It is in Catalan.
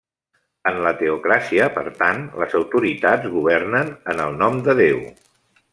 En la teocràcia, per tant, les autoritats governen en el nom de Déu.